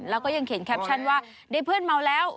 แล้วก็ยังเขียนแคปชั่นว่าได้เพื่อนเมาแล้ว